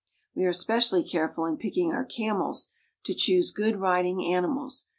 We are especially careful, in picking our camels, to choose good riding animals.